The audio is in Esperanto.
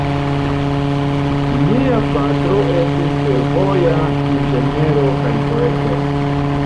Lia patro estis fervoja inĝeniero kaj poeto.